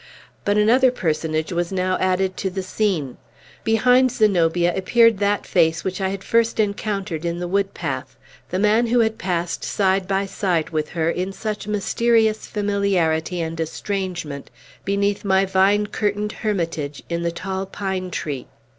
But another personage was now added to the scene. Behind Zenobia appeared that face which I had first encountered in the wood path; the man who had passed, side by side with her, in such mysterious familiarity and estrangement, beneath my vine curtained hermitage in the tall pine tree.